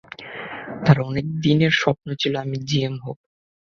তার অনেক দিনের স্বপ্ন ছিল আমি জিএম হবো।